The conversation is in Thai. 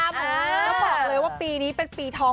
แล้วบอกเลยว่าปีนี้เป็นปีทอง